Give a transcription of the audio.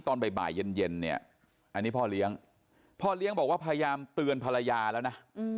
ตอนบ่ายเย็นเนี่ยอันนี้พ่อเลี้ยงพ่อเลี้ยงบอกว่าพยายามเตือนภรรยาแล้วนะ